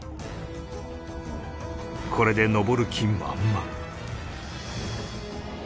これで登る気満々